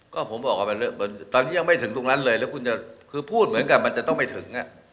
ก็ผมบอกว่าตอนนี้ยังไม่ถึงตรงนั้นเลยแล้วคุณจะคือพูดเหมือนกับมันจะต้องไปถึง